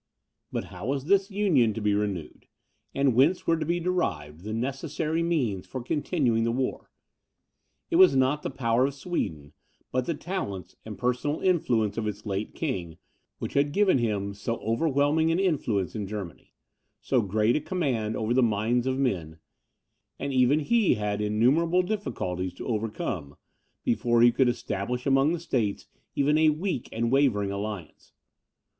But how was this union to be renewed? and whence were to be derived the necessary means for continuing the war? It was not the power of Sweden, but the talents and personal influence of its late king, which had given him so overwhelming an influence in Germany, so great a command over the minds of men; and even he had innumerable difficulties to overcome, before he could establish among the states even a weak and wavering alliance.